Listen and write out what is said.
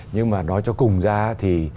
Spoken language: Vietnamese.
nhưng mà nói cho cùng ra thì